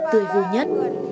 tươi vui nhất